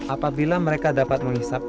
apabila mereka dapat menghisap